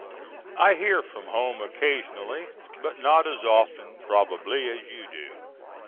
I hear from home occasionally, but not as often, probably, as you do.